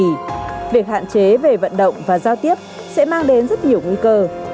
vì việc hạn chế về vận động và giao tiếp sẽ mang đến rất nhiều nguy cơ